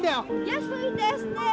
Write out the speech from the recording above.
安いですね。